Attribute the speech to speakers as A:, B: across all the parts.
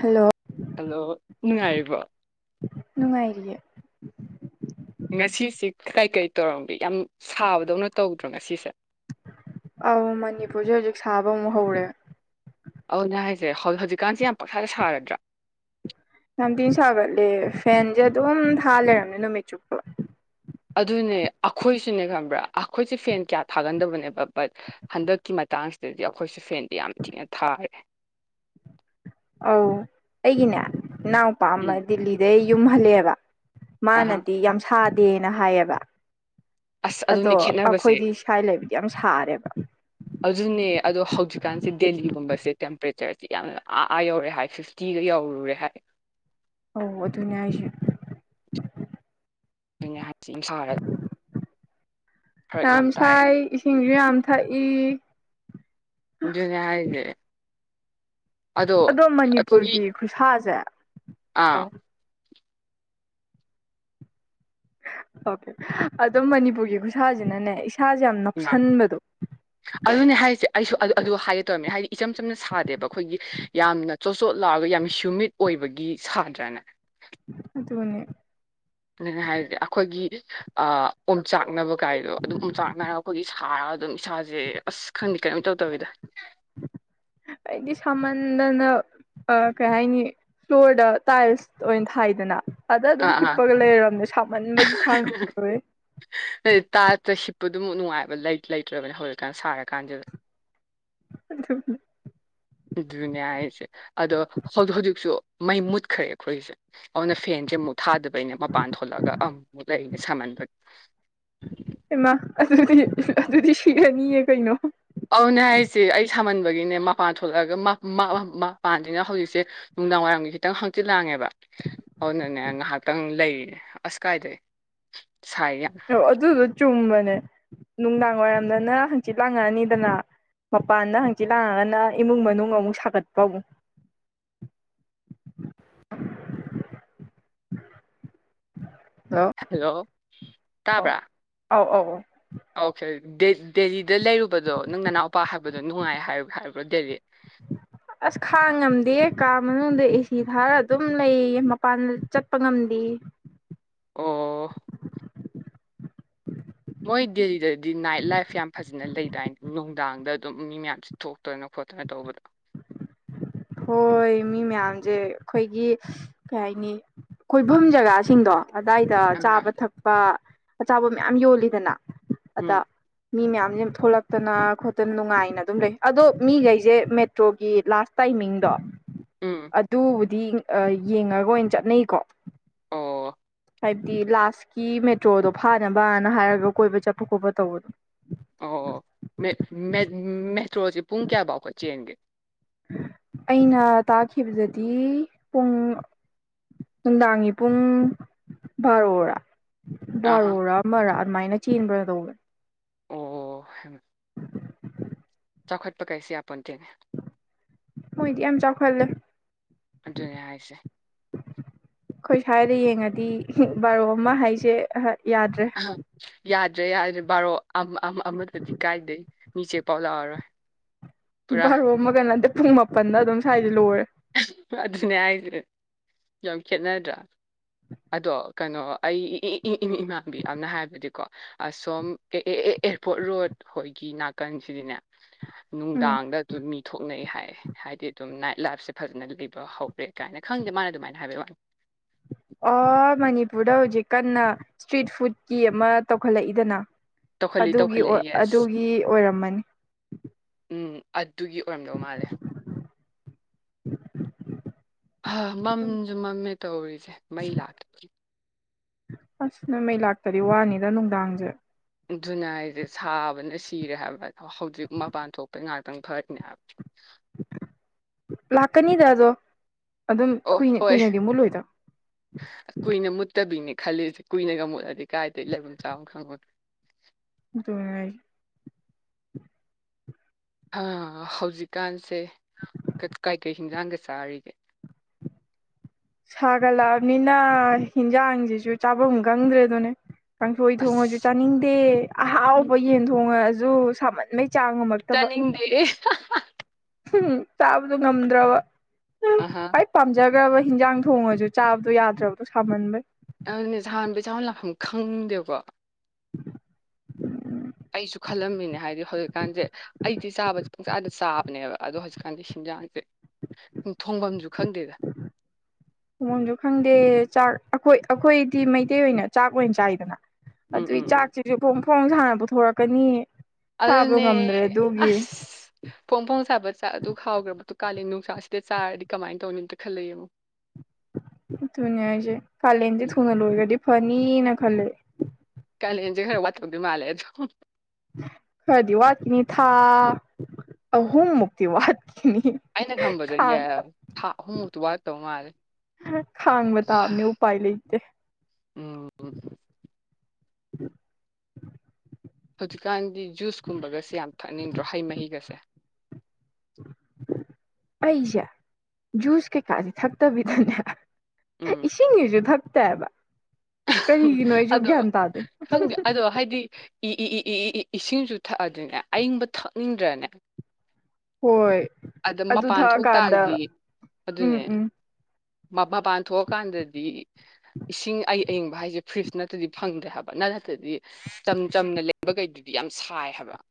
A: Hello
B: hello ꯅꯨꯡꯉꯥꯏꯔꯤꯕꯣ
A: ꯅꯨꯡꯉꯥꯏꯔꯤꯌꯦ
B: ꯉꯁꯤꯁꯦ ꯀꯗꯥꯥꯏ ꯀꯩ ꯇꯧꯔꯝꯒꯦ ꯌꯥꯝ ꯁꯥꯕꯗꯧꯅ ꯇꯧꯗ꯭ꯔꯣ ꯉꯁꯤꯁꯦ
A: ꯑ ꯃꯅꯤꯄꯨꯔꯁꯦ ꯍꯧꯖꯤꯛ ꯁꯥꯕ ꯑꯃꯨꯛ ꯍꯧꯔꯦ
B: ꯑꯗꯨꯅꯦ ꯍꯥꯏꯁꯦ ꯍꯧ ꯍꯧꯖꯤꯛꯀꯥꯟꯁꯦ ꯌꯥꯝ ꯄꯪꯁꯥꯗ ꯁꯥꯔꯗ꯭ꯔꯥ
A: ꯌꯥꯝꯊꯤ ꯁꯥꯒꯠꯂꯦ ꯐꯦꯟꯁꯦ ꯑꯗꯨꯝ ꯊꯥ ꯂꯩꯔꯝꯅꯦ ꯅꯨꯃꯤꯠ ꯆꯨꯞꯄ
B: ꯑꯗꯨꯅꯦ ꯑꯩꯈꯣꯏꯁꯨꯅꯦ ꯈꯪꯕ꯭ꯔꯥ ꯑꯩꯈꯣꯏꯁꯦ ꯐꯦꯟ ꯀꯌꯥ ꯊꯥꯒꯟꯗꯕꯅꯦꯕ ꯕꯠ ꯍꯟꯗꯛꯀꯤ ꯃꯇꯥꯡꯁꯤꯗꯗꯤ ꯑꯩꯈꯣꯏꯁꯨ ꯐꯦꯟꯗꯤ ꯌꯥꯝ ꯊꯤꯅ ꯊꯥꯔꯦ
A: ꯑꯧ ꯑꯩꯒꯤꯅꯦ ꯏꯅꯥꯎꯄꯥ ꯑꯃ
B: ꯎꯝ
A: ꯗꯤꯂꯤꯗꯩ ꯌꯨꯝ ꯍꯜꯂꯦꯕ
B: ꯑꯍꯥ
A: ꯃꯥꯅꯗꯤ ꯌꯥꯝ ꯁꯥꯗ ꯗꯦꯅ ꯍꯥꯏꯌꯦꯕ
B: ꯑꯁ
A: ꯑꯗꯣ
B: ꯑꯗꯨꯅꯦ ꯈꯦꯠꯅꯕꯁꯦ
A: ꯑꯩꯈꯣꯏꯗꯤ ꯁ꯭ꯋꯥꯏ ꯂꯩꯕꯗꯤ ꯌꯥꯝ ꯁꯥꯔꯦꯕ
B: ꯑꯗꯨꯅꯦ ꯑꯗꯣ ꯍꯧꯖꯤꯛꯀꯥꯟꯁꯦ ꯗꯦꯜꯂꯤ ꯒꯨꯝꯕꯁꯦ ꯇꯦꯝꯄ꯭ꯔꯦꯆꯔꯁꯤ ꯌꯥꯝꯅ ꯑꯥ ꯑꯥ ꯌꯧꯔꯦ ꯍꯥꯏ ꯐꯤꯐꯇꯤꯒ ꯌꯧꯔꯨꯔꯦ ꯍꯥꯏ
A: ꯑꯧ ꯑꯗꯨꯅꯦ ꯍꯥꯏꯁꯦ
B: ꯑꯗꯨꯅꯦ ꯍꯥꯏꯁꯦ ꯌꯥꯝ ꯁꯥꯔ ꯐꯔꯛ ꯌꯥꯝ ꯇꯥꯏ
A: ꯃ ꯌꯥꯝ ꯊꯛꯏ
B: ꯖꯅꯦ ꯍꯥꯏꯗꯦꯦ
A: ꯑꯗꯣ ꯃꯅꯤꯄꯨꯔꯒꯤ ꯈꯨꯠꯁꯥꯁꯦ ꯑ
B: ꯑꯥ
A: ꯑꯣꯀꯦ ꯑꯗꯨꯝ ꯃꯅꯤꯄꯨꯔꯒꯤ ꯈꯨꯠꯁꯥꯁꯤꯅꯅꯦ ꯏꯁꯥꯁꯦ ꯌꯥꯝ
B: ꯎꯝ
A: ꯅꯞꯁꯟꯕꯗꯣ
B: ꯑꯗꯨꯅꯦ ꯍꯥꯏꯁꯦ ꯑꯩꯁꯨ ꯑꯗꯨ ꯍꯥꯏꯒꯦ ꯇꯧꯔꯅꯦ ꯍꯥꯏꯗꯤ ꯏꯆꯝ ꯆꯝꯅ ꯁꯥꯗꯦꯕ ꯑꯩꯈꯣꯏꯒꯤ ꯌꯥꯝꯅ ꯆꯣꯠ ꯆꯣꯠ ꯂꯥꯎꯔꯒ ꯌꯥꯝ ꯍ꯭ꯌꯨꯃꯤꯠ ꯑꯣꯏꯕꯒꯤ ꯁꯥꯗ꯭ꯔꯥꯅꯦ
A: ꯑꯗꯨꯒꯅꯦꯦ
B: ꯑꯗꯨ ꯍꯥꯏꯔꯗꯤ ꯑꯩꯈꯣꯏꯒꯤ ꯑ ꯎꯟꯆꯥꯛꯅꯕ ꯥꯏꯗꯣ ꯑꯗꯨꯝ ꯆꯥꯟꯅꯔꯒ ꯑꯩꯈꯣꯏꯒꯤ ꯍ ꯑꯗꯨꯝ ꯏꯁꯥꯁꯦ ꯑꯁ ꯈꯪꯦ ꯀꯔꯤꯝꯇꯧ ꯇꯧꯋꯤꯗ
A: ꯑꯩꯗꯤ ꯁꯥꯃꯟꯗꯅ ꯀꯩ ꯍꯥꯏꯅꯤ ꯐ꯭ꯂꯣꯔꯗ ꯇꯥꯏꯜꯁ ꯑꯣꯏꯅ ꯊꯥꯏꯗꯅ ꯑꯗ
B: ꯑꯥ
A: ꯑꯗꯨꯝ
B: ꯑꯥ
A: ꯍꯤꯞꯄꯒ ꯂꯩꯔꯕꯅꯦ ꯁꯥꯃꯟꯕꯒꯤ ꯈꯥꯡꯦ
B: ꯇꯥ ꯍꯤꯞꯄꯗꯨꯃ ꯅꯨꯡꯉꯥꯏꯕ ꯂꯩꯇ꯭ꯔꯕꯅꯦ ꯍꯧꯖꯤꯛꯀꯥꯟꯗ ꯁꯥꯔꯀꯥꯟꯁꯤꯗ
A: ꯑꯗꯨ
B: ꯑꯗꯨꯅꯦ ꯍꯥꯏꯁꯦ ꯑꯗꯣ ꯍꯧꯖꯤꯛ ꯍꯧꯖꯤꯛꯁꯨ ꯃꯩ ꯃꯨꯠꯈ꯭ꯔꯦ ꯑꯩꯈꯣꯏꯁꯦ ꯑꯗꯨꯅ ꯐꯦꯟꯁꯦ ꯃꯨꯠꯦ ꯊꯥꯗꯕꯩꯅꯦ ꯃꯄꯥꯟ ꯊꯣꯛꯂꯛꯑꯒ ꯑꯃꯝꯃꯨꯛ ꯂꯩꯔꯤꯅꯦ ꯁꯥꯝꯍꯟꯕꯒꯤ [unintelligible]
A: ꯏꯃꯥ ꯑꯗꯨꯗꯤ ꯑꯗꯨꯗꯤ ꯁꯤꯔꯅꯤꯌꯦ ꯀꯩꯅꯣ
B: ꯑꯧꯅꯦ ꯍꯥꯏꯁꯦ ꯑꯩ ꯁꯥꯃꯟꯕꯒꯤꯅꯦ ꯃꯄꯥꯟ ꯊꯣꯛꯂꯛꯑꯒ ꯃꯄꯥꯟꯁꯤꯅ ꯍꯧꯖꯤꯛꯁꯦ ꯅꯨꯡꯗꯥꯡꯋꯥꯏꯔꯝꯒꯤ ꯈꯤꯇꯪ ꯍꯥꯡꯆꯤꯜ ꯍꯥꯡꯉꯦꯕ ꯍ ꯅꯅꯦꯪ ꯍꯥ ꯈꯤꯇꯪ ꯂꯩꯔꯤ ꯑꯁ ꯀꯥꯏꯗꯩ ꯁꯥꯏ ꯌꯥꯝ
A: ꯑꯣ ꯑꯗꯨꯗꯣ ꯆꯨꯝꯃꯦꯅꯤ ꯅꯨꯡꯗꯥꯡ ꯋꯥꯏꯔꯝꯗꯅ ꯍꯪꯆꯤꯠ ꯂꯥꯡꯉꯛꯑꯅꯤꯗꯅ ꯃꯄꯥꯟꯗ ꯍꯥꯡꯆꯤꯠ ꯂꯥꯡꯉꯒꯅ ꯏꯃꯨꯡ ꯃꯅꯨꯡ ꯑꯃꯨꯛ ꯁꯥꯒꯠꯄ ꯑꯃꯨꯛ ꯎꯝ
B: ꯍꯜꯂꯣ ꯇꯥꯕ꯭ꯔꯥ
A: ꯑꯧ ꯑꯧꯧ
B: ꯑꯣꯀꯦ ꯗꯦꯜꯂꯤꯗ ꯂꯩꯔꯨꯕꯗꯣ ꯅꯪ ꯅꯅꯥꯎꯄꯥ ꯍꯥꯏꯕꯗꯣ ꯅꯨꯡꯉꯥꯏ ꯍꯥꯏ ꯍꯥꯏꯕ꯭ꯔꯣ ꯗꯦꯜꯂꯤ
A: ꯑꯁ ꯈꯥꯡ ꯉꯝꯗꯦ ꯀꯥ ꯃꯅꯨꯡꯗ ꯑꯦꯁꯤ ꯊꯥꯔ ꯑꯗꯨꯝ ꯂꯩꯌꯦ ꯃꯄꯥꯟ ꯆꯠꯄ ꯉꯝꯗꯦ
B: ꯑꯣ ꯃꯣꯏ ꯗꯦꯜꯂꯤꯗꯗꯤ ꯅꯥꯏꯠ ꯂꯥꯏꯐ ꯌꯥꯝ ꯐꯖꯅ ꯂꯩꯗꯥꯏꯅꯤ ꯅꯨꯡꯗꯥꯡꯗ ꯑꯗꯨꯝ ꯃꯤ ꯃꯌꯥꯝꯁꯦ ꯊꯣꯛꯇꯅ ꯈꯣꯠꯇꯅ ꯇꯧꯕꯗꯣ
A: ꯍꯣꯏ ꯃꯤ ꯃꯌꯥꯝꯁꯦ ꯑꯩꯈꯣꯏꯒꯤ ꯀꯩ ꯍꯥꯏꯅꯤ ꯀꯣꯏꯐꯝ ꯖꯒꯥꯁꯤꯡꯗꯣ ꯑꯗꯥꯏꯗ
B: ꯑ
A: ꯆꯥꯕ ꯊꯛꯄ ꯑꯆꯥꯕ ꯃꯌꯥꯝ ꯌꯣꯜꯂꯤꯗꯅ ꯑꯗ
B: ꯎꯝ
A: ꯃꯤ ꯃꯌꯥꯝꯁꯦ ꯊꯣꯛꯂꯛꯇꯅ ꯈꯣꯠꯇꯅ ꯅꯨꯡꯉꯥꯏꯅ ꯑꯗꯨꯝ ꯂꯩ ꯑꯗꯣ ꯃꯤꯈꯩꯁꯦ ꯃꯦꯇ꯭ꯔꯣꯒꯤ ꯂꯥꯁ ꯇꯥꯏꯃꯤꯡꯗꯣ
B: ꯎꯝ
A: ꯑꯗꯗꯤ ꯌꯦꯡꯉꯒ ꯑꯣꯏꯅ ꯆꯠꯅꯩꯀꯣ
B: ꯑꯣ
A: ꯍꯥꯏꯕꯗꯤ ꯂꯥꯁꯀꯤ ꯃꯦꯇ꯭ꯔꯣꯗꯣ ꯐꯥꯅꯕꯅ ꯍꯥꯏꯔꯒ ꯀꯣꯏꯕ ꯆꯠꯄ ꯈꯣꯠꯄ ꯇꯧꯕꯗꯣ
B: ꯏꯁꯇꯣꯔꯜꯁꯦ ꯄꯨꯡ ꯀꯌꯥꯐꯥꯎꯕ ꯆꯦꯟꯒꯦ
A: ꯑꯩꯅ ꯇꯥꯈꯤꯕꯗꯗꯤ ꯄꯨꯡ ꯅꯨꯡꯗꯥꯡꯒꯤ ꯄꯨꯡ ꯕꯥꯔꯣꯔꯥ
B: ꯑꯍꯥ
A: ꯔꯣꯔꯥ ꯃꯔꯥ ꯑꯗꯨꯃꯥꯏꯅ ꯆꯦꯟꯕ꯭ꯔ ꯇꯧꯕꯅꯤ
B: ꯑꯣ ꯆꯥꯎꯈꯠꯄ ꯀꯩꯁꯤꯦ ꯌꯥꯝꯄꯟꯇꯦꯅꯦ
A: ꯍꯣꯏꯗꯤ ꯌꯥꯝ ꯆꯥꯎꯈꯠꯂꯦ
B: ꯑꯗꯨꯅꯦ ꯍꯥꯏꯁꯦ
A: ꯑꯩꯈꯣꯏ ꯁ꯭ꯋꯥꯏꯗ ꯌꯦꯡꯉꯗꯤ ꯕꯥꯔꯣ ꯑꯃ ꯍꯥꯏꯁꯦ ꯌꯥꯗ꯭ꯔꯦ
B: ꯑ ꯌꯥꯔ ꯍꯥꯏꯗꯤ ꯕꯥꯔꯣ ꯑꯃꯗꯗꯤ ꯀꯥꯏꯗꯩ ꯃꯤꯁꯦ ꯄꯥꯎ ꯂꯥꯛꯑꯔꯣꯏ ꯄꯨꯔꯥ
A: ꯄꯕ ꯃꯒꯅꯗ ꯄꯨꯡ ꯃꯥꯄꯟꯗ ꯑꯗꯨꯝ ꯁ꯭ꯋꯥꯏꯗꯤ ꯂꯣꯏꯔꯦ
B: ꯑꯗꯨꯅꯦ ꯍꯥꯏꯁꯦ ꯌꯥꯝ ꯈꯦꯠꯅꯗ꯭ꯔꯥ ꯑꯗꯣ ꯀꯩꯅꯣ ꯑꯩ ꯏ ꯏ ꯏ ꯏꯃꯥꯟꯕꯤ ꯑꯅ ꯍꯥꯏꯕꯗꯤꯀꯣ ꯑꯁꯣꯝ ꯑꯦ ꯑꯦ ꯑꯦ ꯑꯦꯌꯥꯔꯄꯣꯔꯠ ꯔꯣꯗ ꯍꯣꯏꯒꯤ ꯅꯥꯀꯟꯁꯤꯗꯤꯅꯦ ꯅꯅꯨꯡ
A: ꯎꯝ
B: ꯗꯥꯡꯒꯗ ꯇꯨꯅꯤ ꯊꯣꯛꯅꯩ ꯍꯥꯏ ꯍꯥꯏꯗꯤ ꯑꯗꯨꯝ ꯅꯥꯏꯠ ꯂꯥꯏꯞꯁꯦ ꯐꯖꯅ ꯂꯩꯕ ꯍꯧꯔꯦ ꯀꯥꯏꯅ ꯈꯪꯗꯦ ꯃꯥꯅ ꯑꯗꯨꯃꯥꯏꯅ ꯍꯥꯏꯕꯩ ꯋꯥꯅꯤ
A: ꯑꯣ ꯃꯅꯤꯄꯨꯔꯗ ꯍꯧꯖꯤꯛ ꯀꯟꯅ ꯏꯁꯇ꯭ꯔꯤꯠ ꯐꯨꯗꯀꯤ ꯑꯃ ꯇꯧꯈꯠꯂꯛꯏꯗꯅ
B: ꯇꯧꯈꯠꯂꯤ
A: ꯑꯗꯨꯒꯤ
B: ꯇꯧꯈꯠꯂꯛꯏ ꯌꯦꯁ
A: ꯑꯗꯨꯒꯤ ꯑꯣꯏꯔꯝꯃꯅꯤ
B: ꯎꯝ ꯑꯗꯨꯒꯤ ꯑꯣꯏꯔꯝꯗꯧ ꯃꯥꯜꯂꯦ
A: [unintelligible]
B: ꯑ ꯃꯝꯁꯨ ꯃꯝꯃꯦ ꯇꯧꯔꯤꯁꯦ ꯃꯩ ꯂꯥꯛꯇꯕꯒꯤ
A: ꯑꯁ ꯅꯣꯏ ꯃꯩ ꯂꯥꯛꯇꯗꯤ ꯋꯥꯅꯤꯗ ꯅꯨꯡꯗꯥꯡꯁꯦ
B: ꯑꯗꯨꯅ ꯑꯩꯁꯦ ꯁꯥꯕꯅ ꯁꯤꯔꯦ ꯍꯥꯏꯕꯗ ꯍꯧꯖꯤꯛ ꯃꯄꯥꯟ ꯊꯣꯛꯄꯩ ꯉꯥꯏꯍꯥꯛꯇꯪ ꯐꯔꯅꯦ ꯍꯥꯏꯕ
A: ꯂꯥꯛꯀꯅꯤ ꯗꯗꯣ
B: ꯑꯣ ꯍꯣꯏ ꯀꯨꯏꯅ ꯃꯨꯠꯇꯕꯤꯅꯤ ꯈꯜꯂꯤꯁꯦ ꯀꯨꯏꯅꯒ ꯃꯣꯠꯂꯗꯤ ꯀꯥꯏꯗꯒꯤ ꯂꯩꯐꯝꯝ ꯆꯥꯐꯝ ꯈꯪꯉꯨ
A: ꯉꯔ
B: ꯑ ꯍꯧꯖꯤꯛꯀꯥꯟꯁꯤ ꯦ ꯀ ꯀꯥꯏ ꯀꯩꯁꯤꯖꯥꯡꯒ ꯆꯔꯒ
A: ꯁꯥꯒꯠꯂꯛꯑꯝꯅꯤꯅ ꯍꯤꯟꯖꯥꯡꯁꯤꯖꯨ ꯆꯥꯕꯝ ꯒꯪꯗ꯭ꯔꯦꯗꯨꯅꯤ ꯀꯥꯡꯁꯣꯏ ꯊꯣꯡꯉꯁꯨ
B: ꯑꯁ
A: ꯆꯥꯅꯤꯡꯗꯦ ꯑꯍꯥꯎꯕ ꯌꯦꯟ ꯊꯣꯡꯉ ꯗꯨ ꯁꯥꯃꯟꯕꯩ ꯆꯥꯡ
B: ꯆꯅꯤꯡꯗꯦꯌꯦ ꯍ ꯍ
A: ꯍꯝ ꯆꯥꯕꯗꯣ ꯉꯝꯗ꯭ꯔꯕ ꯍꯝ
B: ꯑꯍꯥ
A: ꯈꯥꯏ ꯄꯥꯝꯖꯔ ꯈ꯭ꯔꯕ ꯍꯤꯡꯖꯥꯡ ꯊꯣꯡꯉꯖꯨ ꯆꯥꯕꯗꯣ ꯌꯥꯗ꯭ꯔꯕꯗꯣ ꯁꯥꯃꯟꯕꯩ
B: ꯑꯧꯅꯦ ꯁꯥꯟ ꯕꯤꯁꯥꯎꯅ ꯂꯥꯛꯐꯝ ꯈꯪꯗꯦꯕꯀꯣ ꯑꯩꯁꯨ ꯈꯜꯂꯝꯃꯤꯅꯦ ꯍꯥꯏꯗꯤ ꯍꯧꯖꯤꯛꯀꯥꯟꯖꯦ ꯑꯩꯗꯤ ꯆꯥꯕꯖꯤ ꯄꯨꯡꯆꯥꯗ ꯆꯥꯕꯅꯦꯕ ꯑꯗꯣ ꯍꯧꯖꯤꯛꯀꯥꯟꯗꯤ ꯍꯤꯟꯖꯥꯡꯖꯦ ꯊꯣꯡꯕꯝꯖꯨ ꯈꯪꯗꯦꯗ
A: ꯎꯃꯪꯁꯨ ꯈꯪꯗꯦ ꯆꯥꯛ ꯑꯈꯣꯏ ꯑꯈꯣꯏꯗꯤ ꯃꯩꯇꯩ ꯑꯣꯏꯅ ꯆꯥꯛ ꯑꯣꯏꯅ ꯆꯥꯏꯗꯅ
B: ꯎꯝ
A: ꯑꯗꯨꯏ
B: ꯎꯝ ꯎꯝ
A: ꯆꯥꯛꯖꯤꯁꯨ ꯐꯣꯡ ꯐꯣꯡ ꯁꯥꯅ ꯄꯨꯊꯣꯔꯛꯀꯅꯤ ꯆꯥꯕ
B: ꯑꯗꯨꯅꯦ
A: ꯉꯝꯗ꯭ꯔꯦ ꯑꯗꯨꯒꯤ
B: ꯑꯁ ꯐꯣꯡ ꯐꯣꯡ ꯁꯥꯕ ꯆꯥꯛ ꯑꯗꯨꯛ ꯍꯥꯎꯈ꯭ꯔꯕꯗꯨ ꯀꯥꯂꯦꯟ ꯅꯨꯡꯁꯥꯁꯤꯗ ꯆꯥꯔꯗꯤ ꯀꯃꯥꯏꯟ ꯇꯧꯅꯤ ꯑꯝꯇ ꯈꯜꯂ ꯌꯦꯡꯉꯣ
A: ꯗꯨꯅꯦ ꯍꯥꯏꯖꯦ ꯀꯥꯂꯟꯖꯦ
B: ꯎꯝ.
A: ꯊꯨꯅ ꯂꯣꯏꯒꯔꯗꯤ ꯐꯅꯤꯅ ꯈꯜꯂꯦ
B: ꯀꯥꯂꯦꯟꯖꯦ ꯈꯔ ꯋꯥꯠꯇꯧꯗꯤ ꯃꯥꯜꯂꯦ ꯑꯗꯨ
A: ꯈꯔꯥꯗꯤ ꯋꯥꯠꯈꯤꯅꯤ ꯊꯥ ꯑꯍꯨꯝ ꯃꯨꯛꯇꯤ ꯋꯥꯠ
B: ꯑꯩꯅ ꯈꯝꯕꯗ ꯌ ꯊꯥ ꯑꯍꯨꯝꯃꯨꯛꯇꯤ ꯋꯥꯇꯧ ꯃꯥꯜꯂꯤ
A: ꯈꯥꯡꯕ
B: ꯏꯃꯥ
A: ꯇꯥꯕꯅꯦ ꯎꯄꯥꯏ ꯂꯩꯇꯦ
B: ꯎꯝ
A: [inaudible]
B: ꯍꯧꯖꯤꯀꯥꯟꯗꯤ ꯖꯨꯁ ꯀꯨꯝꯕꯒꯁꯦ ꯌꯥꯝ ꯊꯛꯅꯤꯡꯗ꯭ꯔꯣ ꯍꯩ ꯃꯍꯤꯒꯁꯦ
A: ꯑꯩꯖꯦ ꯖꯨꯁ ꯀꯩ ꯀ ꯗꯤ ꯊꯛ ꯇꯕꯤꯗꯅꯦ
B: ꯎꯝ
A: ꯏꯁꯤꯡꯅꯦ ꯖꯨ ꯊꯛ ꯇꯥꯏꯕ ꯀꯔꯤꯒꯤꯅꯣ ꯑꯩꯖꯨ
B: ꯑꯗꯣ
A: ꯒ꯭ꯌꯥꯟ ꯇꯥꯗꯦ ꯎꯝ ꯍꯝ
B: ꯈꯪꯗꯦ
A: ꯍꯝ
B: ꯑꯗꯣ ꯍꯥꯏꯗꯤ ꯏ ꯏ ꯏ ꯏ ꯏꯁꯤꯡꯖꯨ ꯊꯛꯑꯗꯤꯅꯦ ꯑꯌꯤꯡꯕ ꯊꯛꯅꯤꯡꯗ꯭ꯔꯅꯦ
A: ꯍꯣꯏ
B: ꯑꯗ
A: ꯑꯗꯨ
B: ꯃꯄꯥꯟ ꯊꯣꯛ
A: ꯊꯛꯑꯀꯥꯟꯗ
B: ꯇꯥꯔꯗꯤ
A: ꯎꯝ ꯎꯝ
B: ꯃꯕꯥ ꯄꯥꯟ ꯊꯣꯛꯑꯀꯥꯟꯗꯗꯤ ꯏꯁꯤꯡ ꯑ ꯑꯩ ꯑꯌꯤꯡꯕ ꯍꯥꯏꯖꯦ ꯐ꯭ꯔꯤꯖ ꯅꯠꯇꯗꯤ ꯐꯪꯗ꯭ꯔꯦ ꯍꯥꯏꯕ ꯅ ꯅꯠꯇꯗꯤ ꯆꯝ ꯆꯝꯅ ꯂꯩꯕꯒꯩꯗꯨꯗꯤ ꯌꯥꯝ ꯁꯥꯏ ꯍꯥꯏꯕ ꯕ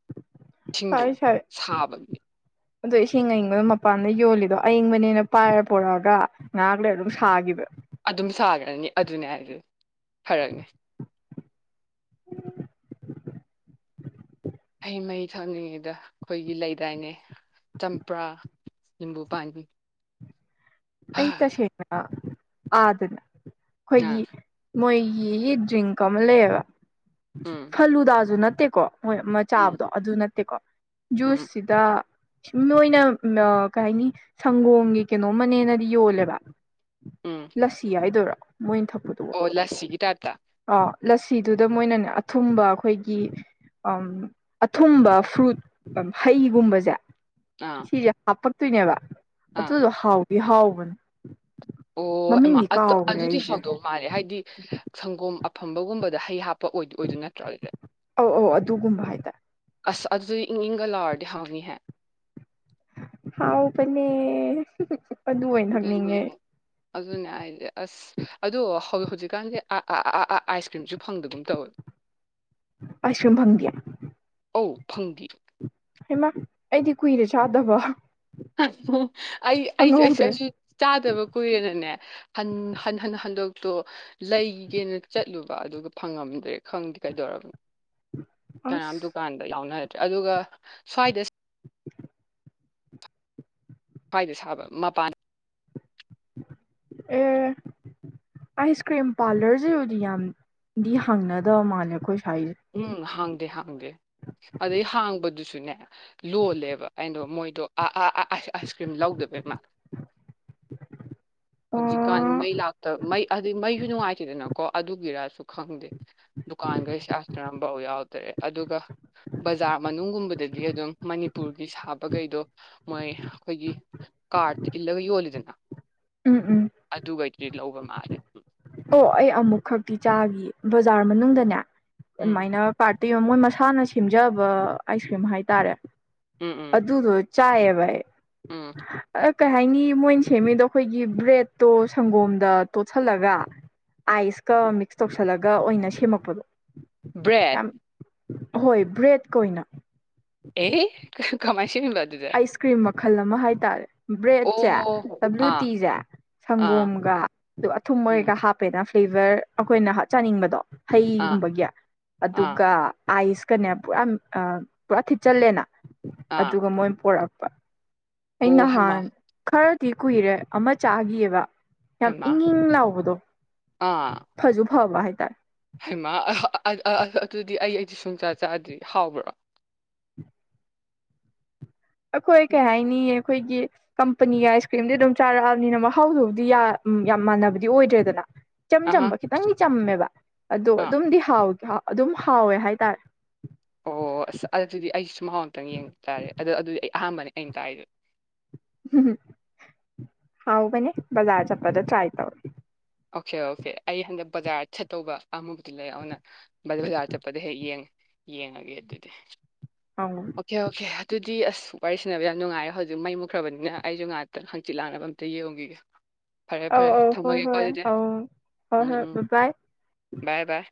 B: ꯏꯁꯤꯡꯗꯣ
A: ꯁꯥꯏ ꯁꯥꯏ
B: ꯁꯥꯕꯒꯤ
A: ꯑꯗꯣ ꯏꯁꯤꯡ ꯑꯌꯤꯡꯕꯗꯣ ꯃꯄꯥꯟꯗ ꯌꯣꯜꯂꯤꯗꯣ ꯑꯌꯤꯡꯕꯅꯦꯅ ꯄꯥꯏꯔ ꯄꯨꯔꯛꯑꯒ ꯉꯥꯍꯥꯛ ꯂꯩꯔꯒ ꯑꯗꯨꯝ ꯁꯥꯈꯤꯕ
B: ꯑꯅꯤ ꯑꯗꯨꯅꯦ ꯍꯥꯏꯖ ꯐꯔꯛꯅꯦ
A: [inaudible]
B: ꯑꯩ ꯃꯩ ꯊꯝꯂꯤꯉꯩꯗ ꯑꯩꯈꯣꯏꯒꯤ ꯂꯩꯗꯥꯏꯅꯦ ꯆꯝꯄ꯭ꯔꯥ ꯅꯤꯕꯨ ꯄꯥꯕꯤ
A: ꯑꯩ ꯇꯁꯦꯡꯅ ꯑ ꯑꯗꯨꯅ ꯑꯩꯈꯣꯏꯒꯤ ꯃꯣꯏꯒꯤ ꯗ꯭ꯔꯤꯡꯀ ꯑꯃ ꯂꯩꯌꯦꯕ
B: ꯎꯝ
A: ꯐꯂꯨꯗꯥꯁꯨ ꯅꯠꯇꯦꯀꯣ ꯍꯣꯏ ꯃ
B: ꯎꯝ
A: ꯆꯥꯕꯗꯣ ꯑꯗꯨ ꯅꯠꯇꯦꯀꯣ
B: ꯎꯝ
A: ꯖꯨꯁꯤꯗ ꯅꯣꯏꯅ ꯀꯩ ꯍꯥꯏꯅꯤ ꯁꯪꯒꯣꯝꯒꯤ ꯀꯩꯅꯣꯝꯃꯅꯦꯅ ꯌꯣꯂꯦꯕ
B: ꯎꯝ
A: ꯂꯁꯤ ꯍꯥꯏꯗꯣꯏꯔꯥ ꯃꯣꯏꯅ ꯊꯛꯄꯗꯨꯕꯨ
B: ꯑꯣ ꯂꯁꯤꯒꯤ ꯇꯥꯏꯞꯇ
A: ꯑꯥ ꯂꯁꯤꯗꯨꯗ ꯃꯣꯏꯅꯅꯦ ꯑꯊꯨꯝꯕ ꯑꯩꯈꯣꯏꯒꯤ ꯑꯊꯨꯝꯕ ꯐ꯭ꯔꯨꯠ ꯍꯩꯒꯨꯝꯕꯁꯦ
B: ꯑꯥ
A: ꯁꯤꯖ ꯍꯥꯄꯛ ꯇꯨꯏꯅꯕ
B: ꯑꯥ
A: ꯑꯗꯨꯗ ꯍꯥꯎ [unintelligible] [unintelligible]
B: ꯑꯣ ꯑꯗꯨꯗꯤ ꯍꯥꯎꯗꯣꯛ ꯃꯥꯜꯂꯦ ꯍꯥꯏꯗꯤ ꯁꯪꯒꯣꯝ ꯐꯕꯒꯨꯝꯕꯗ ꯍꯩ ꯍꯥꯞꯄ ꯑꯣꯏꯗꯣꯏ ꯅꯠꯇ꯭ꯔꯣ ꯑꯗꯨꯗꯤ
A: ꯑꯧ ꯑꯧ ꯑꯗꯨꯒꯨꯝꯕ ꯍꯥꯏꯇꯥꯔꯦ
B: ꯑꯁ ꯑꯗꯨꯗꯤ ꯏꯪ ꯏꯪꯒ ꯂꯥꯔꯗꯤ ꯍꯥꯡꯃꯤ ꯍꯥꯏ
A: ꯍꯥꯎꯕꯅꯦ ꯑꯗꯨ ꯑꯣꯏꯅ ꯊꯛꯅꯤꯡꯉꯦ
B: ꯑꯗꯨꯅ ꯍꯥꯏ ꯑꯁ ꯑꯗꯣ ꯍꯧꯖꯤꯛꯀꯥꯟꯁ ꯑꯥꯏꯁ ꯀ꯭ꯔꯤꯝꯁꯨ ꯐꯪꯗꯒꯨꯝ ꯇꯧꯋꯦ
A: ꯑꯏꯁꯀꯔ꯭ꯦꯝ ꯐꯪꯗꯦꯑ
B: ꯑꯧ ꯐꯪꯗꯤꯑ
A: ꯍꯩꯃꯥ ꯑꯩꯗꯤ ꯀꯨꯏꯔꯦ ꯆꯥꯗꯕ
B: ꯑꯩ ꯑꯩꯁꯨ ꯑꯩꯁꯨ
A: ꯈꯪꯍꯧꯗ꯭ꯔꯦ
B: ꯑꯩꯁꯨ ꯆꯥꯗꯕ ꯀꯨꯏꯔꯦꯅꯅꯦ ꯍꯟ ꯍꯟꯅ ꯍꯟꯗꯣꯛ ꯇꯣ ꯂꯩꯒꯦꯅ ꯆꯠꯂꯨꯕ ꯑꯗꯨꯒ ꯐꯪꯉꯝꯗ꯭ꯔꯦ ꯈꯪꯗꯦ ꯀꯩꯗꯧꯔꯕꯅꯣ ꯀꯅꯥꯝ
A: ꯑꯁ
B: ꯗꯨꯀꯥꯟꯗ ꯌꯥꯎꯅ ꯑꯗꯨꯒ ꯁ꯭ꯋꯥꯏꯗ ꯈ꯭ꯋꯥꯏꯗ ꯁꯥꯕ ꯃꯄꯥꯟ
A: ꯑꯦ ꯑꯥꯏꯁꯀ꯭ꯔꯤꯝ ꯄꯥꯔꯂꯔꯁꯤꯕꯨꯗꯤ ꯌꯥꯝꯗꯤ ꯍꯥꯡꯅꯗꯕ ꯃꯥꯜꯂꯦ ꯑꯩꯈꯣꯏ ꯁ꯭ꯋꯥꯏꯁꯦ
B: ꯎꯝ ꯍꯥꯡꯗꯦ ꯍꯥꯡꯗꯦ ꯑꯗꯩ ꯍꯥꯡꯕꯗꯨꯁꯨ ꯑꯗꯨꯨꯅꯦ ꯂꯣꯜꯂꯦꯕ ꯑꯗꯣ ꯃꯣꯏꯗꯣ ꯑ ꯑ ꯑꯥꯏꯁꯀ꯭ꯔꯤꯝ ꯂꯧꯗꯕꯃ ꯍꯧꯖꯤꯛꯀꯥꯟ
A: ꯑꯣ
B: ꯃꯩ ꯂꯥꯛꯇꯕ ꯃꯩ ꯑꯩ ꯃꯩꯁꯨ ꯅꯨꯡꯉꯥꯏꯇꯦꯗꯅ ꯀꯣ ꯑꯗꯨꯒꯤꯔꯁꯨ ꯈꯪꯗꯦ ꯀꯥꯟ ꯁꯤ ꯑ ꯌꯥꯎꯗ꯭ꯔꯦ ꯑꯗꯨꯒ ꯕꯖꯥꯔ ꯃꯅꯨꯡꯒꯨꯝꯕꯗꯗꯤ ꯑꯗꯨꯝ ꯃꯅꯤꯄꯨꯔꯒꯤ ꯁꯥꯕꯈꯩꯗꯣ ꯃꯣꯏ ꯑꯩꯈꯣꯏꯒꯤ ꯀꯥꯔꯗ ꯏꯜꯂꯒ ꯌꯣꯜꯂꯤꯗꯅ
A: ꯎꯝ ꯎꯝ
B: ꯑꯗꯨꯩꯗꯨꯗꯤ ꯂꯧꯕꯝ ꯃꯥꯔꯦ
A: ꯑꯣ ꯑꯩ ꯑꯃꯨꯛ ꯈꯛꯇꯤ ꯆꯥꯈꯤ ꯕꯖꯥꯔ ꯃꯅꯨꯡꯗꯅꯦ
B: ꯎꯝ
A: ꯃꯥꯏꯅ ꯄꯥ ꯀꯣ ꯃꯣꯏ ꯃꯁꯥꯅ ꯁꯦꯝꯖꯕ ꯑꯥꯏꯁ ꯀ꯭ꯔꯤꯝ ꯍꯥꯏꯇꯥꯔꯦ
B: ꯎꯝ ꯎꯝ
A: ꯑꯗꯨꯗ ꯅ ꯆꯥꯌꯦꯦꯕꯥꯏ
B: ꯎꯝ
A: ꯀꯩ ꯍꯥꯏꯅꯤ ꯃꯣꯏꯅ ꯁꯦꯝꯃꯤꯗꯣ ꯑꯩꯈꯣꯏꯒꯤ ꯕ꯭ꯔꯦꯗꯠꯇꯣ ꯁꯪꯒꯣꯝꯗ ꯇꯣꯠꯁꯤꯜꯂꯒ ꯑꯥꯏꯁꯀ ꯃꯤꯛꯁ ꯇꯧꯁꯜꯂꯒ ꯑꯣꯏꯅ ꯁꯦꯝꯃꯛꯄꯗꯣ
B: ꯕ꯭ꯔꯦꯠ
A: ꯌꯥꯝ ꯍꯣꯏ ꯕ꯭ꯔꯦꯗ ꯀ ꯑꯣꯏꯅ
B: ꯑꯦ ꯀꯃꯥꯏ ꯁꯤꯅꯤꯕꯗꯗ
A: ꯑꯥꯏꯁ ꯀ꯭ꯔꯤꯝ ꯃꯈꯜ ꯑꯃ ꯍꯥꯏꯇꯥꯔꯦ ꯕ꯭ꯔꯦꯗꯁꯦ ꯕ꯭ꯂꯨ
B: ꯑꯥ
A: ꯇꯤꯁꯦ
B: ꯑꯥ
A: ꯁꯪꯒꯣꯝꯒ ꯑꯗꯨ ꯑꯊꯨꯝꯕ ꯑꯣꯏꯒ
B: ꯎꯝ
A: ꯍꯥꯞꯄꯦꯅ ꯐ꯭ꯂꯦꯕꯔ ꯑꯩꯈꯣꯏꯅ ꯆꯥꯅꯤꯡꯕꯗꯣ
B: ꯑꯥ
A: ꯍꯩꯒꯨꯝꯕꯒꯤ
B: ꯑꯥ
A: ꯑꯗꯨꯒ ꯑꯥꯏꯁꯀꯅꯦ ꯄꯨꯔꯥ ꯄꯨꯔꯥ ꯊꯤꯠꯆꯜꯂꯦꯅ
B: ꯑꯥ
A: ꯑꯗꯨꯒ ꯃꯣꯏ [unintelligible] ꯑꯩ
B: ꯑꯣ ꯍꯩꯃꯥ
A: ꯅꯍꯥꯟ ꯈꯔ ꯇꯤ ꯀꯨꯏꯔꯦ ꯑꯃ ꯆꯥꯈꯤꯑꯕ ꯌꯥꯝ
B: ꯍꯩꯃꯥ
A: ꯏꯪ ꯏꯪ ꯂꯥꯎꯕꯗꯣ ꯐꯖꯨ ꯐꯕ ꯍꯥꯏ ꯇꯥꯏ
B: ꯍꯩꯃ ꯑꯗꯨꯗꯤ ꯑꯩ ꯑꯩꯗꯤ ꯁꯨꯡꯆꯥ ꯆꯥꯗ꯭ꯔꯤ ꯍꯥꯎꯕ꯭ꯔꯥ
A: ꯑꯩꯈꯣꯏ ꯀꯩꯍꯥꯏꯅꯤ ꯑꯩꯈꯣꯏꯒꯤ ꯀꯝꯄꯅꯤꯒꯤ ꯑꯥꯏꯁ ꯀ꯭ꯔꯤꯝꯗꯤ ꯑꯗꯨꯝ ꯆꯥꯔꯛꯑꯕꯅꯤꯅ ꯃꯍꯥꯎꯗꯨꯕꯨꯗꯤ ꯌꯥꯝ ꯃꯥꯟꯅꯕꯗꯤ ꯑꯣꯏꯗ꯭ꯔꯦꯗꯅ ꯏꯆꯝ
B: ꯑꯍꯥ
A: ꯆꯝꯕ ꯈꯤꯇꯪꯗꯤ ꯆꯝꯃꯦꯕ ꯑꯗꯣ
B: ꯑꯥ
A: ꯑꯗꯨꯝꯗꯤ ꯍꯥꯎ ꯍꯥꯎ ꯑꯗꯨꯝ ꯍꯥꯎꯋꯦ ꯍꯥꯏꯇꯥꯔꯦ
B: ꯑꯣ ꯑꯁ ꯑꯗꯨꯗꯤ ꯑꯩꯁꯨ ꯃꯍꯥꯎ ꯑꯃꯨꯛꯇꯪ ꯌꯦꯡ ꯇꯥꯔꯦ ꯑꯗꯣ ꯑꯗꯨꯗꯤ ꯑꯩ ꯑꯍꯥꯟꯕꯅꯦ ꯑꯩꯅ ꯇꯥꯏꯗꯨ
A: ꯎꯝ ꯍꯥꯎꯕꯅꯦ ꯕꯖꯥꯔ ꯆꯠꯄꯗ ꯇ꯭ꯔꯤꯢ ꯇꯧ
B: ꯑꯣꯀꯦ ꯑꯣꯀꯦ ꯑꯩ ꯍꯟꯗꯛ ꯕꯖꯥꯔ ꯆꯠꯇꯧꯕ ꯑꯃꯨꯛꯇꯤ ꯂꯩ ꯑꯗꯨꯅ ꯕꯖꯥꯔ ꯆꯠꯄꯗ ꯍꯦꯛ ꯌꯦꯡꯒꯦ ꯌꯦꯡꯉꯒꯦ ꯑꯗꯨꯗꯤ
A: ꯑꯧ
B: ꯑꯣꯀꯦ ꯑꯣꯀꯦ ꯑꯗꯨ ꯗꯤ ꯑꯁ ꯋꯥꯔꯤ ꯁꯥꯟꯅꯕ ꯌꯥꯝ ꯅꯨꯡꯉꯥꯏꯔꯦ ꯍꯧꯖꯤꯛ ꯃꯩ ꯃꯨꯛꯈ꯭ꯔꯕꯅꯤꯅ ꯑꯩꯁꯨ ꯉꯥꯏꯍꯥꯛꯇꯪ ꯍꯪꯆꯤꯠ ꯂꯥꯡꯅꯕ ꯑꯝꯇ ꯌꯦꯡꯈꯤꯒꯦ ꯐꯔꯦ ꯐꯔꯦ ꯊꯝꯃꯒꯦ
A: ꯑ ꯍꯣꯏ ꯍꯣꯏ ꯕꯥꯢ ꯕꯥꯢ
B: ꯕꯥꯏ ꯕꯥꯏ